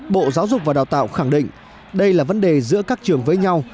bộ giáo dục và đào tạo khẳng định đây là vấn đề giữa các trường với nhau